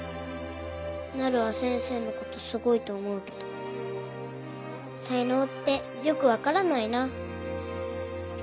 なるは先生のことすごいと思うけどさいのうってよく分からないな。